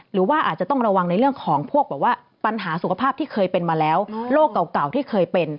หรือว่าอาจจะต้องระวังในเรื่องของพวกแบบว่าปัญหาสุขภาพที่เคยเป็นมาแล้วโรคเก่าที่เคยเป็น